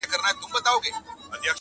یوهډوکی یې د پښې وو که د ملا وو.!